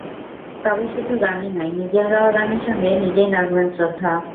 তবে শুধু গানই নয়, নিজের গাওয়া গানের সঙ্গে নিজেই নাচবেন শ্রদ্ধা।